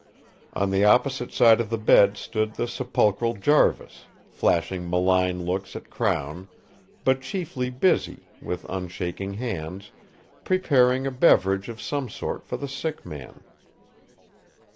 On the opposite side of the bed stood the sepulchral Jarvis, flashing malign looks at Crown, but chiefly busy, with unshaking hands, preparing a beverage of some sort for the sick man.